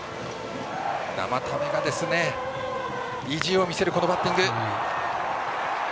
生田目が意地を見せるバッティング。